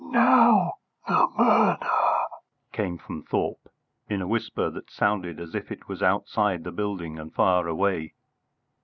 "Now the murder!" came from Thorpe in a whisper that sounded as if it was outside the building and far away.